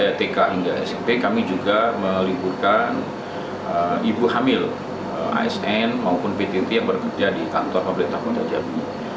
dari tk hingga smp kami juga meliburkan ibu hamil asn maupun ptt yang bekerja di kantor pemerintah kota jambi